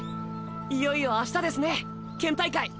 いよいよあしたですね県大会！